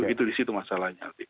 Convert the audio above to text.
itu di situ masalahnya